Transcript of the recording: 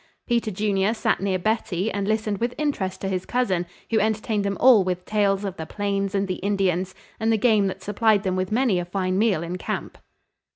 Peter Junior sat near Betty and listened with interest to his cousin, who entertained them all with tales of the plains and the Indians, and the game that supplied them with many a fine meal in camp.